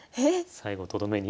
最後とどめに？